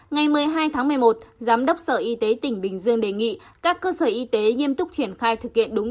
ngày một mươi hai tháng một mươi một giám đốc sở y tế tỉnh bình dương đề nghị các cơ sở y tế nghiêm túc triển khai thực hiện đúng